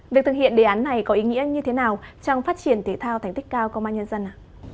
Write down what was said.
việc thực hiện đề án này có ý nghĩa như thế nào trong phát triển thể thao thành tích cao công an nhân dân